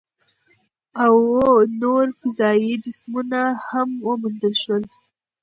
اووه نور فضايي جسمونه هم وموندل شول.